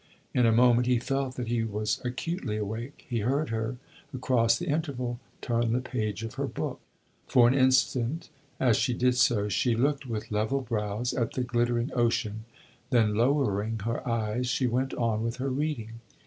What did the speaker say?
In a moment he felt that he was acutely awake; he heard her, across the interval, turn the page of her book. For a single instant, as she did so, she looked with level brows at the glittering ocean; then, lowering her eyes, she went on with her reading.